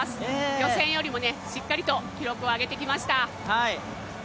予選よりもしっかりと記録を上げてきました。